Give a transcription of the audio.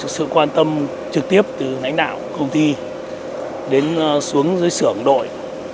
sự quan tâm trực tiếp từ hãnh đạo công ty đến xuống dưới sưởng đội